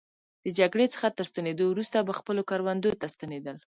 د جګړې څخه تر ستنېدو وروسته به خپلو کروندو ته ستنېدل.